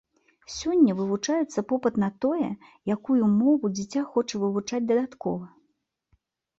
Сёння вывучаецца попыт на тое, якую мову дзіця хоча вывучаць дадаткова.